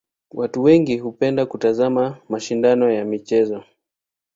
Watu wengi hupenda kutazama mashindano ya michezo.